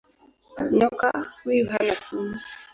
Nyoka huyu hana sumu.